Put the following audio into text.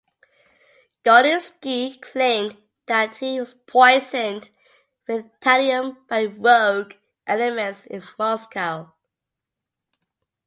Gordievsky claimed that he was poisoned with thallium by "rogue elements in Moscow".